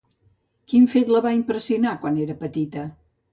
Quin fet la va impressionar quan era petita?